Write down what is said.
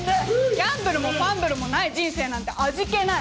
ギャンブルもファンブルもない人生なんて味気ない！